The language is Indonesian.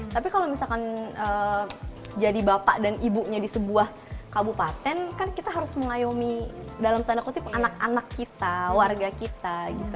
tapi kalau misalkan jadi bapak dan ibunya di sebuah kabupaten kan kita harus mengayomi dalam tanda kutip anak anak kita warga kita